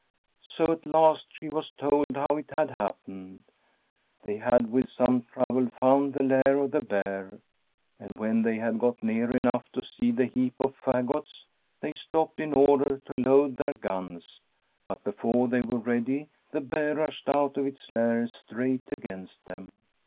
So at last she was told how it had happened. They had with some trouble found the lair of the bear, and when they had got near enough to see the heap of fagots, they stopped in order to load their guns. But before they were ready the bear rushed out of its lair straight against them.